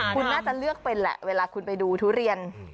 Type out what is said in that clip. คุณน่าจะเลือกเป็นแหละเวลาคุณไปดูทุเรียน